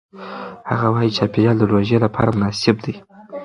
هغه وايي چاپېریال د روژې لپاره مناسب دی.